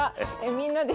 みんなで？